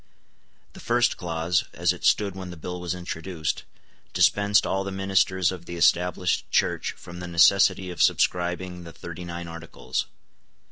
The first clause, as it stood when the bill was introduced, dispensed all the ministers of the Established Church from the necessity of subscribing the Thirty nine Articles.